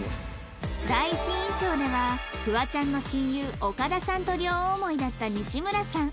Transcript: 第一印象ではフワちゃんの親友岡田さんと両思いだった西村さん